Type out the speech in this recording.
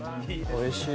おいしい。